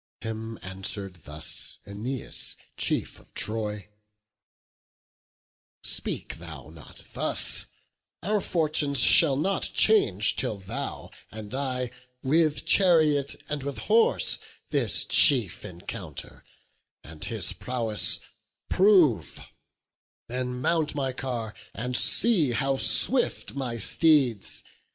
Him answer'd thus Æneas, chief of Troy: "Speak thou not thus; our fortunes shall not change Till thou and I, with chariot and with horse, This chief encounter, and his prowess prove; Then mount my car, and see how swift my steeds.